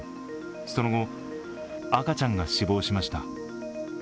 その後、赤ちゃんが死亡しました。